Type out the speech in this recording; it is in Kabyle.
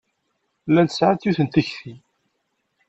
Llant sɛant yiwet n tekti.